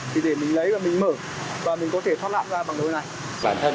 thì để mình lấy và mình mở và mình có thể thoát nạn ra bằng lối này